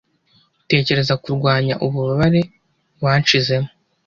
tekereza '' kurwanya ububabare wanshizemo,